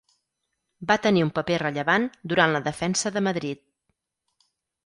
Va tenir un paper rellevant durant la defensa de Madrid.